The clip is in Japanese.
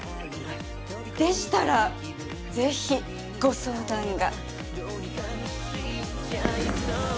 でしたらぜひご相談が。